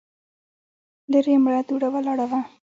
ليرې مړه دوړه ولاړه وه.